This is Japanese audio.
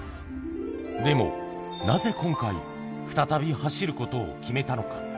でも、なぜ今回、再び走ることを決めたのか。